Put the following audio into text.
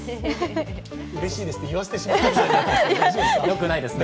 うれしいですって言わせてしまっていますね。